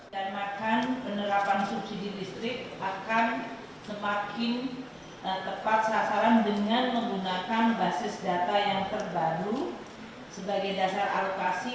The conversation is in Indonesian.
dan maka penerapan subsidi listrik akan semakin tepat sasaran dengan menggunakan basis data yang terbaru sebagai dasar alokasi